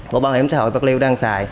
của bảo hiểm xã hội bắc liêu đang xài